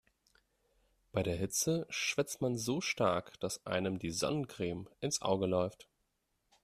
Bei der Hitze schwitzt man so stark, dass einem die Sonnencreme ins Auge läuft.